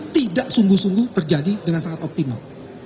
tidak sungguh sungguh terjadi dengan sangat optimal